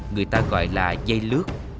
người ta gọi là dây lướt